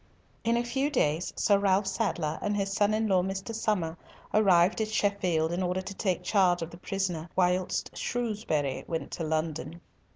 In a few days, Sir Ralf Sadler and his son in law Mr. Somer arrived at Sheffield in order to take the charge of the prisoner whilst Shrewsbury went to London.